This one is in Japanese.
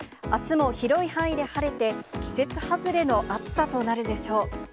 あすも広い範囲で晴れて、季節外れの暑さとなるでしょう。